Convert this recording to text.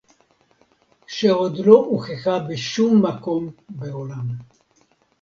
שעוד לא הוכחה בשום מקום בעולם